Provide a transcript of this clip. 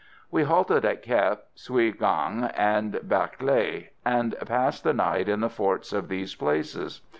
We halted at Kep, Sui ganh and Bac Lé, and passed the night in the forts at these places.